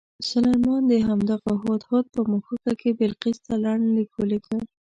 سلیمان د همدغه هدهد په مښوکه کې بلقیس ته لنډ لیک ولېږه.